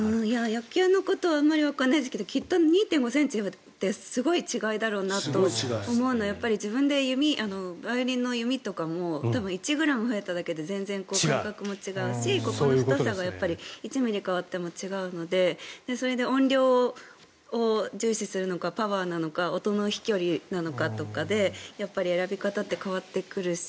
野球のことはあまりわからないですけどきっと２．５ｃｍってすごい違いだろうなと思うのは自分で弓、バイオリンの弓とかも１ｇ増えただけで全然感覚も違うし太さが１ｍｍ変わっても違うのでそれで音量を重視するのかパワーなのか音の飛距離なのかとかで選び方って変わってくるし